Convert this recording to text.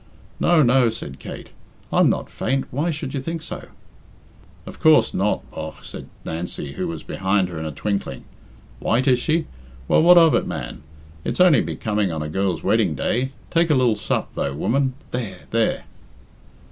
"No, no," said Kate; "I'm not faint Why should you think so?" "Of coorse, not, bogh," said Nancy, who was behind her in a twinkling. "White is she? Well, what of it, man? It's only becoming on a girl's wedding day. Take a lil sup, though, woman there, there!"